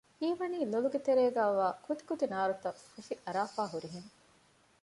ހީވަނީ ލޮލުގެ ތެރޭގައިވާ ކުދިކުދި ނާރުތަށް ފުފި އަރާފައި ހުރިހެން